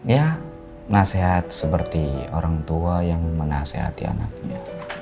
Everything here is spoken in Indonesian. ya nasihat seperti orang tua yang menasehati anaknya